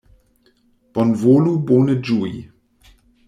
Bonvolu bone ĝui!